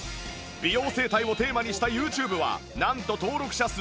美容整体をテーマにした ＹｏｕＴｕｂｅ はなんと登録者数